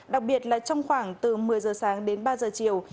đặc biệt là trong khoảng từ một mươi h sáng đến ba h chiều